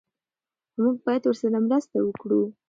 خو موږ باید ورسره مرسته وکړو.